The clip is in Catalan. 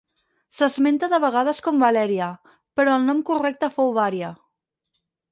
S'esmenta de vegades com Valèria, però el nom correcte fou Vària.